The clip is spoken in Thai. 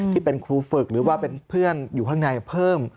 ที่เป็นครูฝึกหรือว่าเป็นเพื่อนอยู่ข้างในเพิ่ม